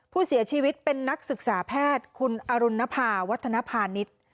ผู้เสียชีวิตเป็นนักศึกษาแพทย์คุณอรุณภาวัฒนภาณิชย์